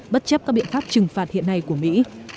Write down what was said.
bất chấp các biện pháp trừng phạt hiện nay của mỹ